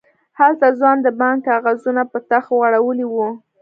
هلته ځوان د بانک کاغذونه په تخت غړولي وو.